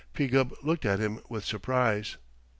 Gubb looked at him with surprise.